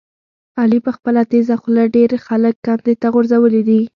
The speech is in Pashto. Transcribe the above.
علي په خپله تېزه خوله ډېر خلک کندې ته غورځولي دي.